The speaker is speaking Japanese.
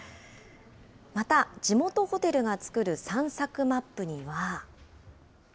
また、地元ホテルが作る散策マップには。